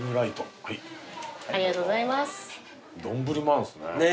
丼もあるんですね。